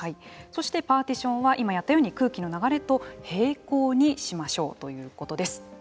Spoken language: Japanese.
そしてパーティションは今やったように空気の流れと並行にしましょうということです。